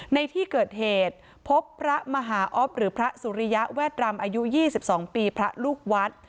ในที่เกิดเหตุพบพระมหาอ๊อฟหรือพระสุริยะแวดรำอายุ๒๒ปีพระลูกวัด